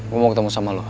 gue mau ketemu sama lo